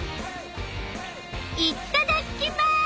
いっただきます！